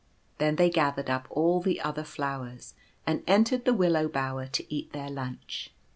Then they gathered up all the other flowers, and entered the Willow Bower to eat their lunch.